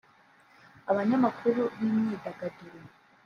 Abanyamakuru b’imyidagaduro